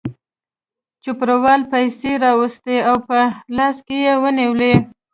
چوپړوال پیسې راوایستې او په لاس کې یې ونیولې.